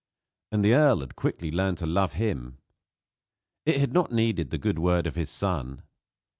And the earl had quickly learned to love him. It had not needed the good word of his son.